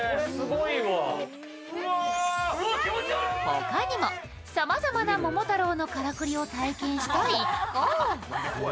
他にもさまざまな桃太郎のからくりを体験した一行。